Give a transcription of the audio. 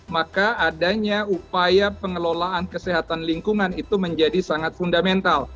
maka adanya upaya pengelolaan kesehatan lingkungan itu menjadi sangat fundamental